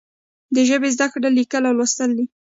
د ژبې زده کړه لیکل او لوستل دي.